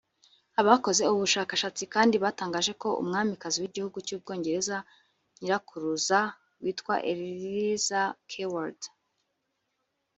Abakoze ubu bushakashatsi kandi batangaje ko umwamikazi w’Igihugu cy’u Bwongereza nyirakuruza witwaga Eliza Kewark